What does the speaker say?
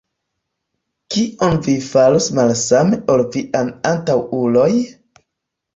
Kion vi farus malsame ol viaj antaŭuloj?